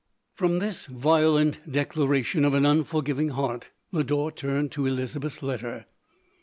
From this violent declaration of an unforgiv ing heart, Lodore turned to Elizabeth's letter.